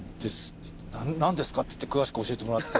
「何ですか？」って言って詳しく教えてもらって。